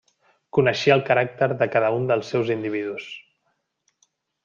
Coneixia el caràcter de cada un dels seus individus.